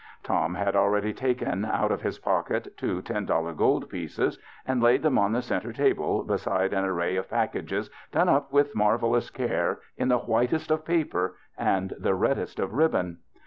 Tom had already taken out of his pocket two ten dollar gold pieces and laid them on the centre table beside an array of packages done up with marvellous care in the whitest of paper and the reddest of rib bon.